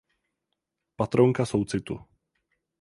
Patronka soucitu.